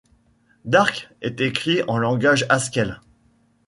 Darcs est écrit en langage Haskell.